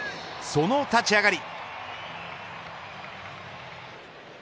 その立ち上がり。